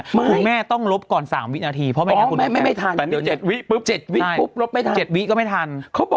คุณแม่ต้องลบก่อน๓วินาทีเพราะไม่ทัน